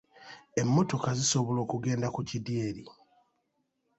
Emmotoka zisobola okugenda ku kidyeri?